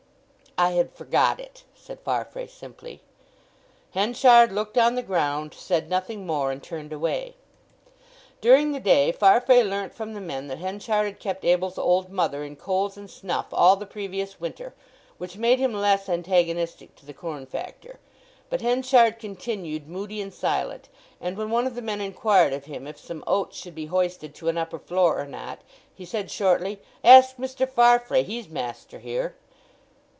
"I had forgot it," said Farfrae simply. Henchard looked on the ground, said nothing more, and turned away. During the day Farfrae learnt from the men that Henchard had kept Abel's old mother in coals and snuff all the previous winter, which made him less antagonistic to the corn factor. But Henchard continued moody and silent, and when one of the men inquired of him if some oats should be hoisted to an upper floor or not, he said shortly, "Ask Mr. Farfrae. He's master here!"